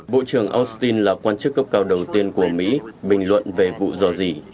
bộ trưởng austin là quan chức cấp cao đầu tiên của mỹ bình luận về vụ dò dỉ